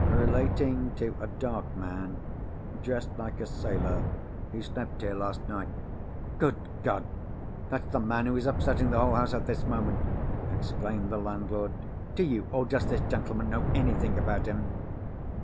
"Relating to a dark man, dressed like a sailor, who slept here last night." "Good God! that's the man who is upsetting the whole house at this moment!" exclaimed the landlord. "Do you, or does this gentleman know anything about him?"